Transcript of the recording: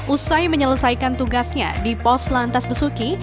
usai menyelesaikan tugasnya di pos lantas besuki